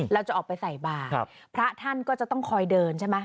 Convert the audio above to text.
เราจะออกไปใส่บาทพระท่านก็จะต้องคอยเดินใช่ไหม